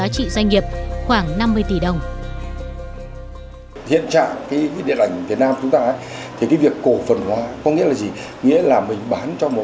chiếm sáu mươi năm tổng giá